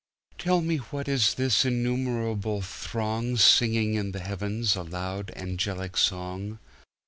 Tell me what is this innumerable throngSinging in the heavens a loud angelic song?